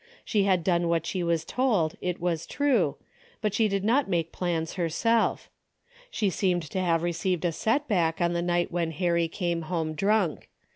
Slip had done what she was told, it was true, but she had not made plans herself. She seemed to have received a set back on the night when Harry came home drunk.